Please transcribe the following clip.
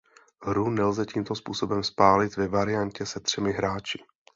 Hru nelze tímto způsobem spálit ve variantě se třemi hráči.